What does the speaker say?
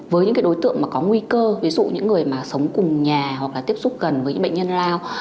với những đối tượng có nguy cơ ví dụ những người sống cùng nhà hoặc tiếp xúc gần với những bệnh nhân lao